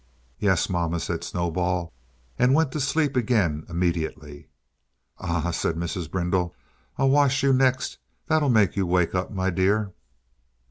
"Yes, mamma," said Snowball, and went to sleep again immediately. "Ah!" said Mrs. Brindle, "I'll wash you next. That'll make you wake up, my dear."